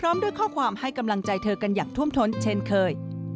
พร้อมด้วยข้อความให้กำลังใจเธอกันอย่างท่วมท้นเช่นเคย